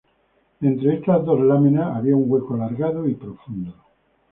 Entre estas dos láminas había un hueco alargado y profundo.